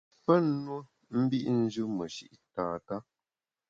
Pe nue mbit njù meshi’ tata.